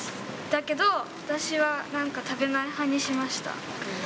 だけど私は、なんか、食べない派にしました。